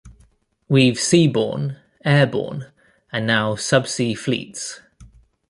We've seaborne, airborne and now subsea fleets.